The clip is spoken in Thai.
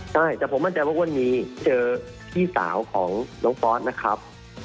ใช่แต่ผมมั่นใจว่าวันนี้เจอพี่สาวของน้องฟอสนะครับ